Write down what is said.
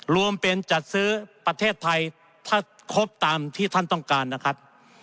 รวมเป็นจัดซื้อประเทศไทยถ้าครบตามที่ท่านต้องการนะครับ